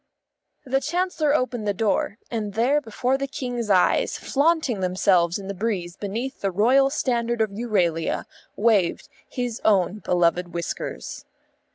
The Chancellor opened the door; and there before the King's eyes, flaunting themselves in the breeze beneath the Royal Standard of Euralia, waved his own beloved whiskers.